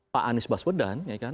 pak anies baswedan